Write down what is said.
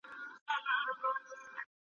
زه به سبا د ښوونځي کتابونه مطالعه کوم..